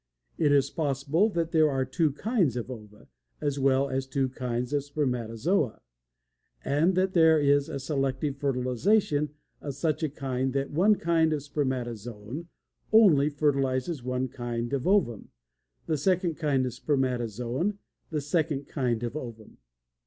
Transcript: It is possible that there are two kinds of ova, as well as two kinds of spermatozoa, and that there is a selective fertilization of such a kind that one kind of spermatozoon only fertilizes one kind of ovum, the second kind of spermatozoon the second kind of ovum.